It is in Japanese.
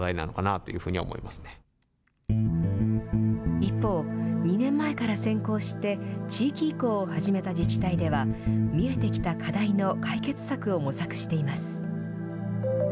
一方、２年前から先行して、地域移行を始めた自治体では、見えてきた課題の解決策を模索しています。